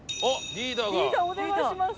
リーダーお願いします。